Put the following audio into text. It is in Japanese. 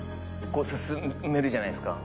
こう進めるじゃないですか。